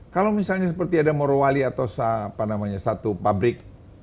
kalau misalnya seperti ada morowali atau satu pabrik